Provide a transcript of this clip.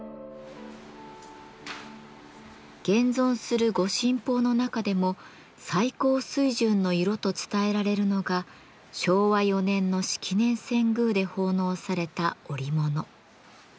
現存する御神宝の中でも「最高水準の色」と伝えられるのが昭和４年の式年遷宮で奉納された織物。